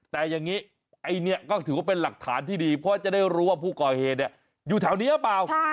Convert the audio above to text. แต่อย่างนี้ไอ้เนี่ยก็ถือว่าเป็นหลักฐานที่ดีเพราะจะได้รู้ว่าผู้ก่อเหตุอยู่แถวนี้หรือเปล่า